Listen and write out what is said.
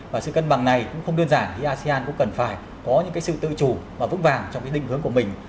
và sự cân bằng này cũng không đơn giản thì asean cũng cần phải có những sự tự chủ và vững vàng trong định hướng của mình